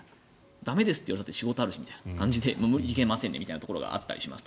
駄目ですといわれても仕事があるしみたいな感じで行けませんみたいなことがあったりしますと。